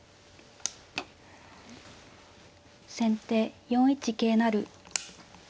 先手４一桂成。